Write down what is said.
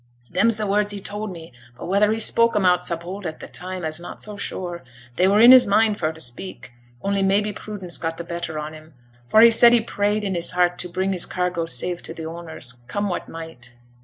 Them's the words he told me, but whether he spoke 'em out so bold at t' time, I'se not so sure; they were in his mind for t' speak, only maybe prudence got t' better on him, for he said he prayed i' his heart to bring his cargo safe to t' owners, come what might.